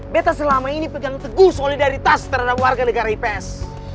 beta selama ini pegang teguh solidaritas terhadap warga negara ips